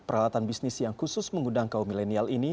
peralatan bisnis yang khusus mengundang kaum milenial ini